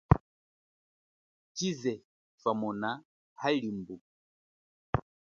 Chize thwamona halimbuka.